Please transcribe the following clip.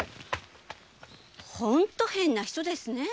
本当に変な人ですね。